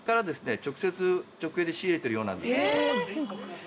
直接直営で仕入れているようなんです。